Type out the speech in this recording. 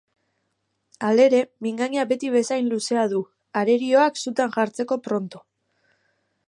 Halere, mingaina beti bezain luzea du, arerioak sutan jartzeko pronto.